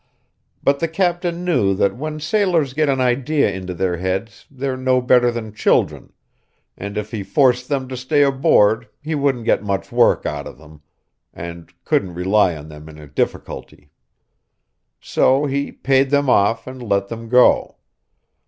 But the captain knew that when sailors get an idea into their heads they're no better than children; and if he forced them to stay aboard he wouldn't get much work out of them, and couldn't rely on them in a difficulty. So he paid them off, and let them go.